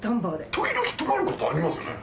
時々止まることありますよね？